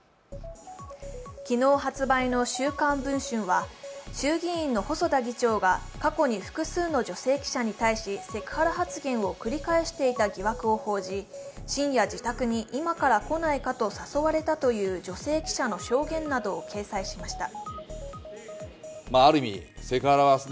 昨日発売の「週刊文春」は衆議院の細田議長が過去に複数の女性記者に対しセクハラ発言を繰り返していた疑惑を報じ、深夜、自宅に今から来ないかと誘われたという女性記者の証言などを掲載しました。